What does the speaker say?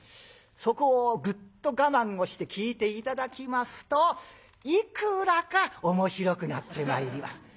そこをグッと我慢をして聴いて頂きますといくらか面白くなってまいります。